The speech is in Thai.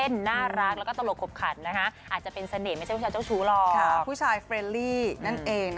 จริงแล้วเราก็ไม่ได้เจ้าชู้นะ